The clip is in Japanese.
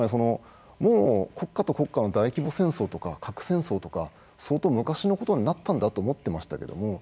もう国家と国家の大規模戦争とか核戦争とか相当昔のことになったんだと思っていましたけど